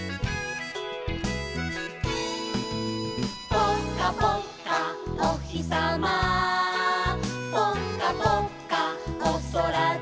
「ぽかぽっかおひさま」「ぽかぽっかおそらで」